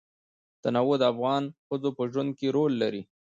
تنوع د افغان ښځو په ژوند کې رول لري.